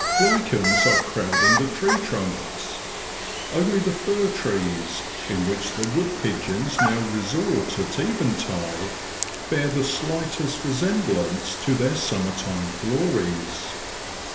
Lichens are crowding the tree trunks; only the fir trees, in which the wood pigeons now resort at eventide, bear the slightest resemblance to their summertime glories.